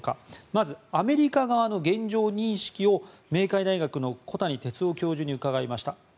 まず、アメリカ側の現状認識を明海大学の小谷哲男教授に伺いました。